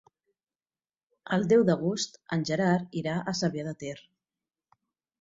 El deu d'agost en Gerard irà a Cervià de Ter.